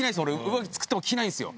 上着作っても着ないんですよ。